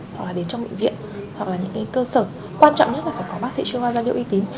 hoặc là đến trong bệnh viện hoặc là những cơ sở quan trọng nhất là phải có bác sĩ chứa hoa da liệu y tín